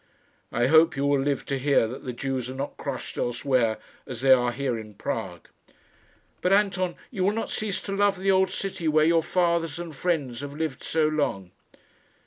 "I hope you will live to hear that the Jews are not crushed elsewhere as they are here in Prague." "But, Anton, you will not cease to love the old city where your fathers and friends have lived so long?"